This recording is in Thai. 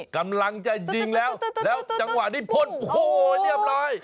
กำลังจะยิงแล้วแล้วจังหวะนี้พ่นโอ้โหเรียบร้อย